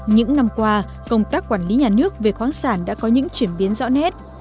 những năm qua công tác quản lý nhà nước về khoáng sản đã có những chuyển biến rõ nét